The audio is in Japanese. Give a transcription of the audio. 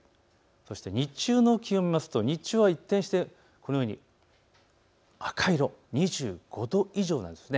そして日中の気温を見ますと日中は一転してこのように赤い色、２５度以上なんです。